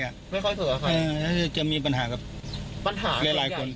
ไม่ค่อยถูกกับใครอืมจะมีปัญหากับปัญหากับหลายหลายคน